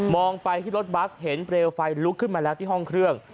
ไปที่รถบัสเห็นเปลวไฟลุกขึ้นมาแล้วที่ห้องเครื่อง